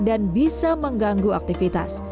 dan bisa mengganggu aktivitas